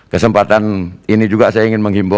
kesempatan ini juga saya ingin menghimbau